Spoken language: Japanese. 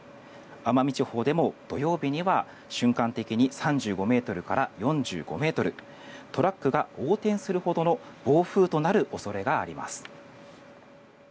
奄美地方でも土曜日には瞬間的に３５ｍから４５ｍトラックが横転するほどの暴風となる恐れがあります。